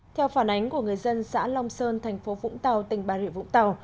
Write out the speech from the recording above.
theo phản ánh của người dân xã long sơn thành phố vũng tàu tỉnh bà rịa vũng tàu